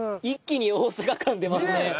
一気に大阪感出ますね。